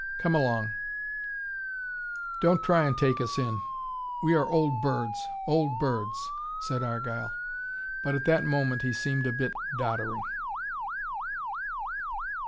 Come along, don't try and take us in. We are old birds, old birds," said Argyle. But at that moment he seemed a bit doddering.